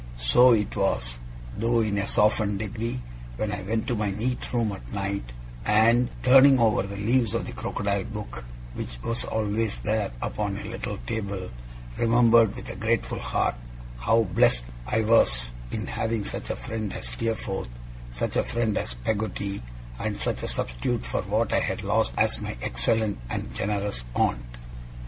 So it was, though in a softened degree, when I went to my neat room at night; and, turning over the leaves of the crocodile book (which was always there, upon a little table), remembered with a grateful heart how blest I was in having such a friend as Steerforth, such a friend as Peggotty, and such a substitute for what I had lost as my excellent and generous aunt.